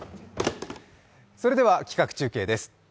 それでは企画中継です。